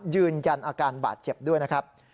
ยืนยันอาการบาดเจ็บด้วยนะครับ